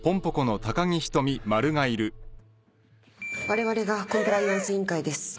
われわれがコンプライアンス委員会です。